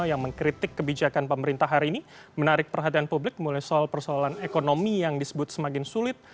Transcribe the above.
yang mengkritik kebijakan pemerintah hari ini menarik perhatian publik mulai soal persoalan ekonomi yang disebut semakin sulit